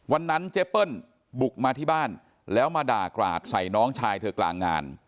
วันนั้นเจเปิ้ลบุกมาที่บ้านแล้วมาด่ากราดใส่น้องชายเธอกลางงาน